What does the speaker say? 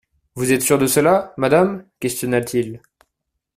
«Vous êtes sûre de cela, madame ?» questionna-t-il.